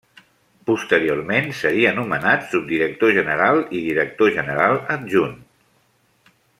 Posteriorment seria nomenat subdirector general i director general adjunt.